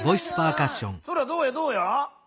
そらどうやどうや？